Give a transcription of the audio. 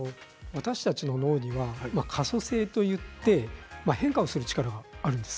私たちの脳には可塑性といって変化をする力があるんです。